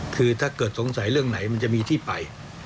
คือถ้าเกิดสงสัยเรื่องไหนมันจะมีที่ไป